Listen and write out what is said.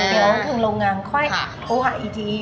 เดี๋ยวทางโรงงานค่อยโทรหาอีกที